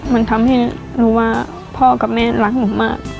มันทำให้รู้ว่าพ่อกับแม่รักหนูมาก